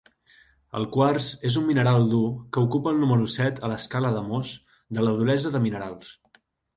El quars és un mineral dur que ocupa el número set a l'escala de Mohs de la duresa de minerals.